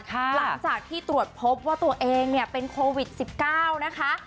หลังจากที่ตรวจพบว่าตัวเองเป็นโควิด๑๙นะคะ